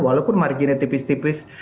walaupun marginnya tipis tipis